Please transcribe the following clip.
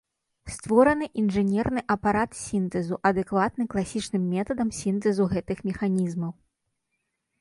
Створаны інжынерны апарат сінтэзу, адэкватны класічным метадам сінтэзу гэтых механізмаў.